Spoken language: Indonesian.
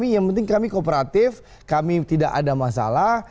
yang penting kami kooperatif kami tidak ada masalah